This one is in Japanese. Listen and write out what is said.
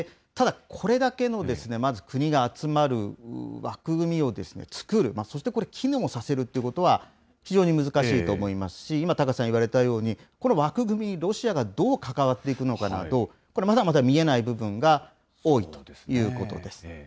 ただ、これだけのまず国が集まる枠組みを作る、そしてこれ、機能させるということは非常に難しいと思いますし、今、高瀬さん言われたように、この枠組み、ロシアがどう関わっていくのかなど、これまだまだ見えない部分が多いということです。